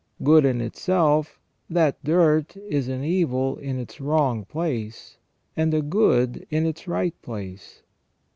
Good in itself, that dirt is an evil in its wrong place, and a good in its right place.